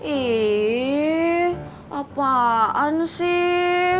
ih apaan sih